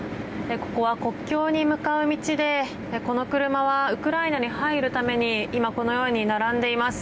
ここは国境に向かう道でこの車はウクライナに入るために今このように並んでいます。